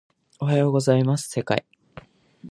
おはようございます世界